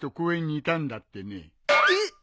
えっ！？